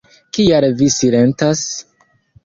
Kial vi silentas?